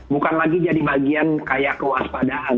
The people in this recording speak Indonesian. bukan lagi jadi bagian kayak kewaspadaan